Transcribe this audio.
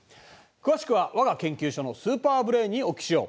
詳しくはわが研究所のスーパーブレーンにお聞きしよう。